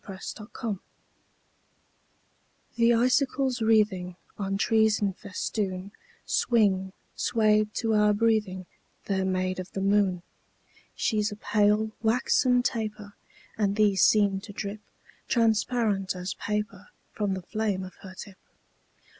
SILVER FILIGREE The icicles wreathing On trees in festoon Swing, swayed to our breathing: They're made of the moon. She's a pale, waxen taper; And these seem to drip Transparent as paper From the flame of her tip.